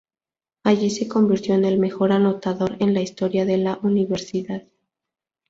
Allí se convirtió en el mejor anotador en la historia de la universidad.